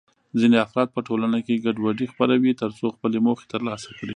ځینې افراد په ټولنه کې ګډوډي خپروي ترڅو خپلې موخې ترلاسه کړي.